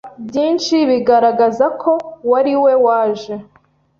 byinshi bigaragaza ko wariwe waje